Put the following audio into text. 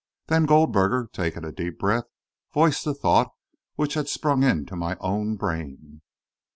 Then Goldberger, taking a deep breath, voiced the thought which had sprung into my own brain.